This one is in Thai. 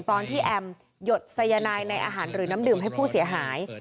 ตอนที่แอมหยดสายนายในอาหารหรือน้ำดื่มให้ผู้เสียหาย